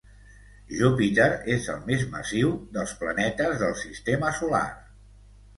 Júpiter és el més massiu dels planetes del sistema solar.